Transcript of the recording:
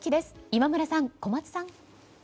今村さん、小松さん。